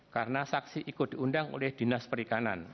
karena saksi ikut diundang oleh dinas perikanan